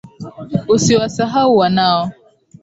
Usiwasahau wanao